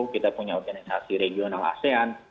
kita punya organisasi regional asean